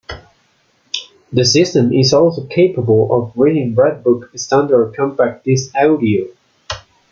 The system is also capable of reading Redbook standard compact disc audio.